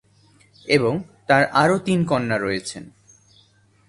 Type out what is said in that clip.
এবং তার আরও তিন কন্যা রয়েছেন।